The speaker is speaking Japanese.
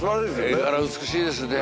絵柄美しいですね。